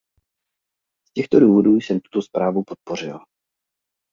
Z těchto důvodů jsem tuto zprávu podpořila.